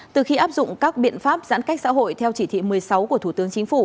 từ khi áp dụng các biện pháp giãn cách xã hội theo chỉ thị một mươi sáu của thủ tướng chính phủ